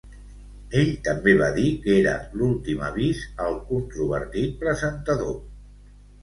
Ell també va dir que era l'últim avís al controvertit presentador.